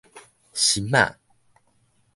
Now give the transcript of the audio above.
心仔